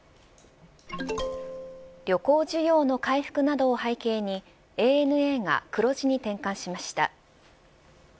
旅行需要の回復などを背景にＡＮＡが黒字に転換しました。